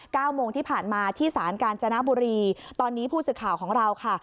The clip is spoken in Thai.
เก้าโมงที่ผ่านมาที่ศาลกาญจนบุรีตอนนี้ผู้สื่อข่าวของเราค่ะ